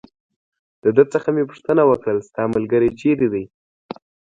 د ده څخه مې پوښتنه وکړل: ستا ملګری چېرې دی؟